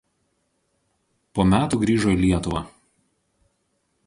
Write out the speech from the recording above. Po metų grįžo į Lietuvą.